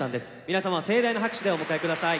皆様盛大な拍手でお迎えください。